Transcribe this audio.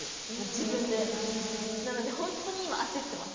自分でなのでホントに今焦ってます。